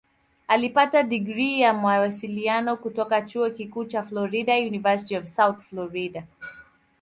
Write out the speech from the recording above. Alipata digrii ya Mawasiliano kutoka Chuo Kikuu cha Florida "University of South Florida".